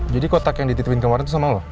jadi kotak yang dititipin kemarin itu sama lo